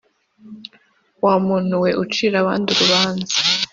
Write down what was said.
wa muntu we ucira abandi urubanza.